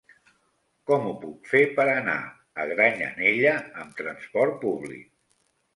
Com ho puc fer per anar a Granyanella amb trasport públic?